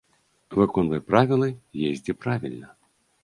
Выконвай правілы, ездзі правільна.